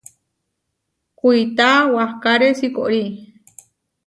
Kuitá waʼkáre sikorí.